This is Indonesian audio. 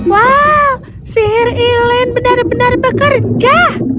wow sihir elaine benar benar bekerja